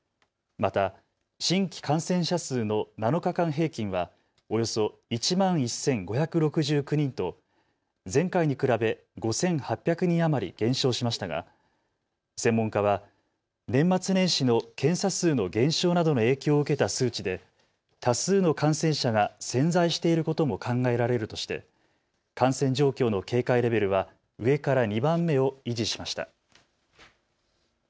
また、新規感染者数の７日間平均はおよそ１万１５６９人と前回に比べ５８００人余り減少しましたが専門家は年末年始の検査数の減少などの影響を受けた数値で多数の感染者が潜在していることも考えられるとして感染状況の警戒レベルは上から２番目を維持しました。